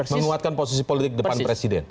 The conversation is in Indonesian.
menguatkan posisi politik depan presiden